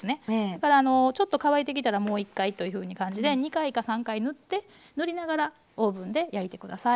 だからちょっと乾いてきたらもう１回という感じで２回か３回塗って塗りながらオーブンで焼いて下さい。